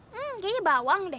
hmm kayaknya bawang deh